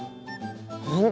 本当？